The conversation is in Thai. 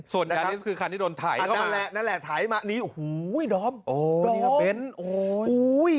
ส่วนยาริสคือคันที่โดนถ่ายเข้ามานั่นแหละนั่นแหละถ่ายมาโอ้โหดอมโอ้โหเดี๋ยวเป็นโอ้โห